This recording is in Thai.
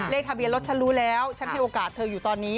เลขทะเบียนรถฉันรู้แล้วฉันให้โอกาสเธออยู่ตอนนี้